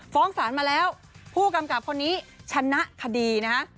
ฟ้องศาลมาแล้วผู้กำกับคนนี้ชนะคดีนะฮะ